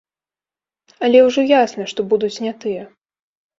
Але ўжо ясна, што будуць не тыя.